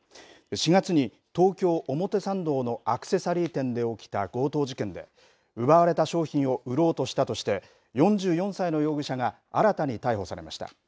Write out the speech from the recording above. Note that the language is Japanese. ４月に東京、表参道のアクセサリー店で起きた強盗事件で奪われた商品を売ろうとしたとして４４歳の容疑者が新たに逮捕されました。